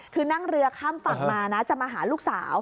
คือนั่งเรือข้ามฝั่งมานะจะมาหาลูกสาว